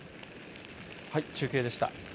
中継でした。